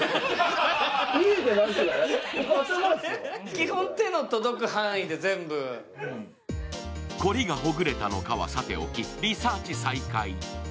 基本、手の届く範囲で全部凝りがほぐれたのかはさておきリサーチ再開